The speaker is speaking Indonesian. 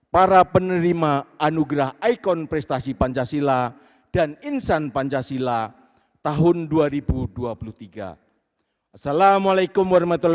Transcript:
para penerima anugerah ikon prestasi pancasila dan insan pancasila tahun dua ribu dua puluh tiga assalamualaikum